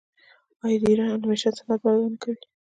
آیا د ایران انیمیشن صنعت وده نه کوي؟